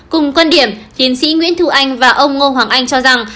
cùng quan điểm tiến sĩ nguyễn thu anh và ông ngô hoàng anh cho rằng